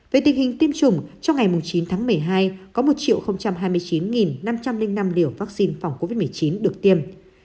về tình hình tiêm chủng trong ngày chín tháng một mươi hai có một hai mươi chín năm trăm linh năm liều vaccine phòng covid một mươi chín được tiêm